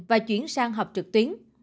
và chuyển sang học trực tuyến